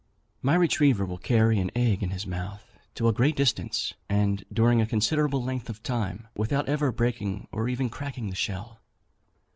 My retriever will carry an egg in his mouth to a great distance, and during a considerable length of time, without ever breaking or even cracking the shell.